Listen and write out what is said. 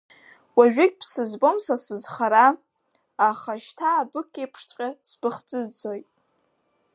Уажәыгь бсызбом са сызхара, аха шьҭа абык иеиԥшҵәҟьа сбыхӡыӡоит…